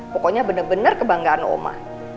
pokoknya bener bener kebanggaan oma